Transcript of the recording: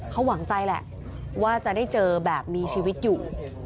เขาหวังใจแหละว่าจะได้เจอแบบมีชีวิตอยู่